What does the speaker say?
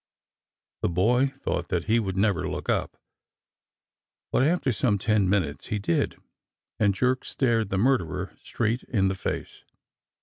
The boy thought that he never would look up, but after some ten minutes he did, and Jerk stared the murderer straight in the face.